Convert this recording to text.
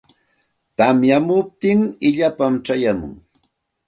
Tamyamuptin illapam chayamun.